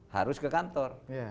harus ke kantor